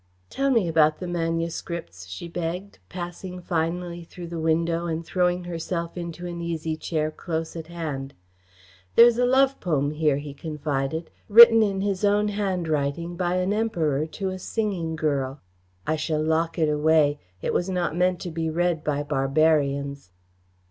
"Tell me about the manuscripts," she begged, passing finally through the window and throwing herself into an easy chair close at hand. "There is a love poem here," he confided, "written in his own handwriting by an emperor to a singing girl. I shall lock it away. It was not meant to be read by barbarians.